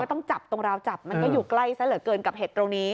ต้องจับตรงราวจับมันก็อยู่ใกล้ซะเหลือเกินกับเหตุตรงนี้